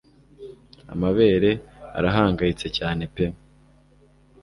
Amabere arahangayitse cyane pe